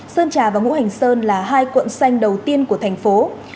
sơn trà và ngũ hành sơn là hai quận xanh đầu tiên của thành phố